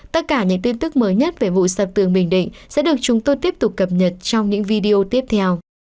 tất cả những tin tức mới nhất về vụ sập tường bình định sẽ được chúng tôi tiếp tục cập nhật trong những video tiếp theo